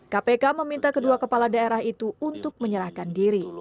kpk meminta kedua kepala daerah itu untuk menyerahkan diri